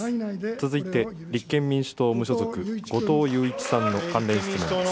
続いて立憲民主党・無所属、後藤祐一さんの関連質問です。